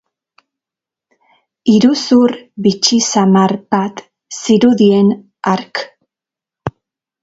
Iruzur bitxi samar bat zirudien hark.